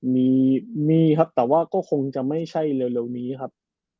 มีมีครับแต่ว่าก็คงจะไม่ใช่เร็วนี้ครับ